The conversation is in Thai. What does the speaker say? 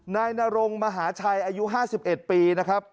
นายนรงมหาชัยอายุ๕๑ปีนะครับ